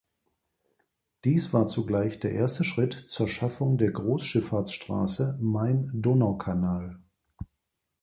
Dies war zugleich der erste Schritt zur Schaffung der Großschifffahrtsstraße Main-Donau-Kanal.